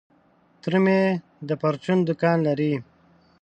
تره مي د پرچون دوکان لري .